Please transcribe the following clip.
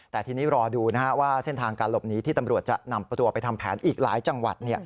แต่ทีนี้รอดูว่าเส้นทางการหลบหนีที่ตำรวจจะนำตัวไปทำแผนอีกหลายจังหวัด